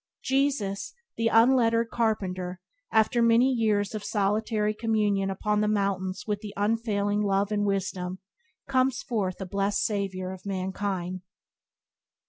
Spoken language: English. Jesus, the unlettered carpenter, after many years of solitary communion upon the mountains with the Unfailing Love and Wisdom, comes forth a blessed saviour of mankind.